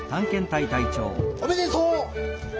おめでとう！